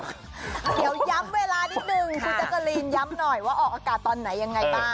เดี๋ยวย้ำเวลานิดนึงคุณแจ๊กกะลีนย้ำหน่อยว่าออกอากาศตอนไหนยังไงบ้าง